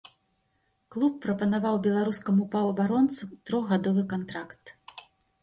Клуб прапанаваў беларускаму паўабаронцу трохгадовы кантракт.